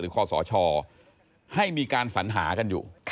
หรือข้อสอชอให้มีการสัญหากันอยู่